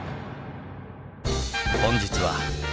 本日は。